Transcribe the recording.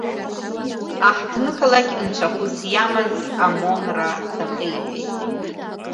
Аҳҭны-қалақь нцәахәыс иамаз амон-Ра дахиҳәеит.